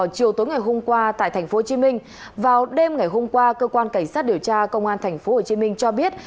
chiều tối ngày hôm qua tại tp hcm vào đêm ngày hôm qua cơ quan cảnh sát điều tra công an tp hcm cho biết